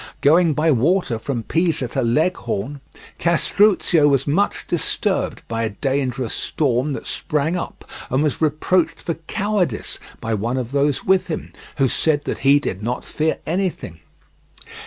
Going by water from Pisa to Leghorn, Castruccio was much disturbed by a dangerous storm that sprang up, and was reproached for cowardice by one of those with him, who said that he did not fear anything.